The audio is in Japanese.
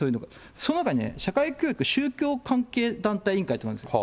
その中に社会教育宗教関係団体委員会というのがあるんですよ。